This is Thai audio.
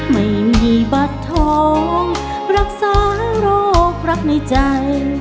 ไม่มีบัตรท้องรักษาโรครักในใจ